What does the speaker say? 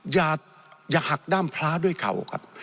อย่าหักด้ามพระด้วยเข่าครับ